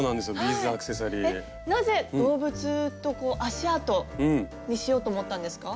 えっなぜ動物と足あとにしようと思ったんですか？